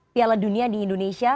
piala dunia di indonesia